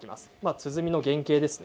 鼓の原形です。